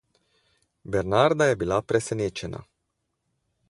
Bernarda je bila presenečena.